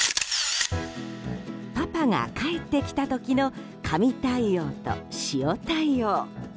パパが帰ってきた時の神対応と塩対応。